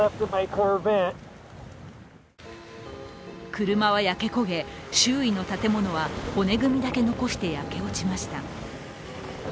車は焼け焦げ、周囲の建物は骨組みだけ残した焼け落ちました。